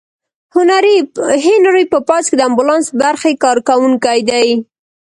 هنري په پوځ کې د امبولانس برخې کارکوونکی دی.